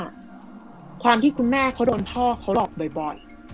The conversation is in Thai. ความที่คุณแม่เขาโดนพ่อเขาหลอกบ่อย